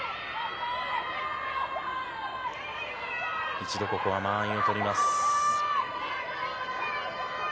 一度、ここは間合いを取ります。